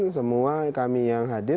semua kami yang hadir